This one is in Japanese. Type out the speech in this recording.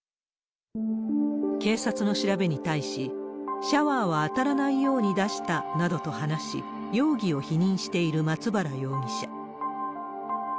警察の調べに対し、シャワーは当たらないように出したなどと話し、容疑を否認している松原容疑者。